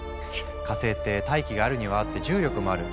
火星って大気があるにはあって重力もある。